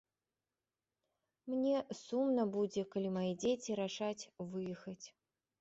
Мне сумна будзе, калі мае дзеці рашаць выехаць.